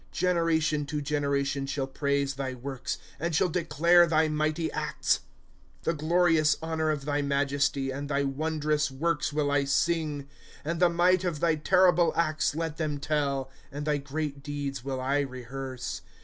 * Generation to generation shall praise thy works, And shall declare thy mighty acta. * The glorious honor of thy majesty, And thy wondrous works will I sing. « And the might of thy terrible acts let them tell ; And thy great deeds will I rehearse.